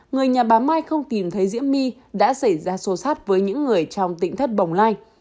người nhà bà mai không tìm thấy diễm my đã xảy ra sô sát với những người trong tỉnh thất bồng lai